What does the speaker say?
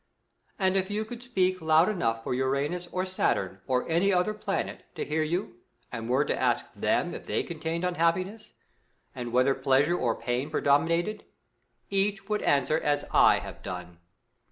And if you could speak loud enough for Uranus or Saturn, or any other planet, to hear you, and were to ask them if they contained uuhappiness, and whether pleasure or pain predominated, each would answer as I have done.